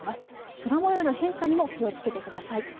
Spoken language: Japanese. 空もようの変化にも気をつけてください。